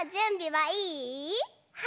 はい！